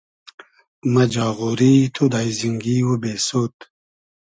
مۂ جاغوری تو داݷزینگی و بېسود